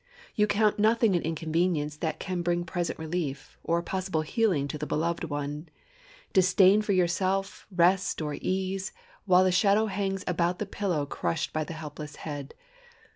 You count nothing an inconvenience that can bring present relief, or possible healing to the beloved one; disdain for yourself rest or ease while the shadow hangs above the pillow crushed by the helpless head.